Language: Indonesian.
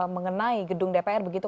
mengenai gedung dpr begitu